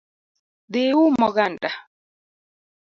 Dhi ium oganda